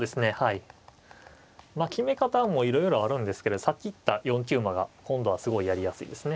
まあ決め方はもういろいろあるんですけれどさっき言った４九馬が今度はすごいやりやすいですね。